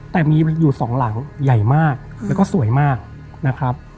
แต่มีอยู่สองหลังใหญ่มากแล้วก็สวยมากนะครับ